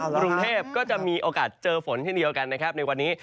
บรุงเทพก็จะมีโอกาสเจอฝนที่ดีกันในวันนี้